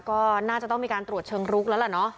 ก็น่าจะต้องมีการตรวจเชิงรุกแล้วล่ะเนาะ